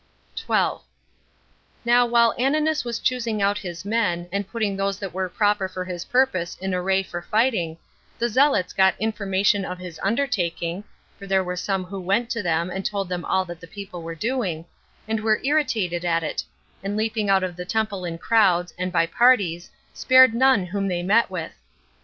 12. Now while Ananus was choosing out his men, and putting those that were proper for his purpose in array for fighting, the zealots got information of his undertaking, [for there were some who went to them, and told them all that the people were doing,] and were irritated at it, and leaping out of the temple in crowds, and by parties, spared none whom they met with.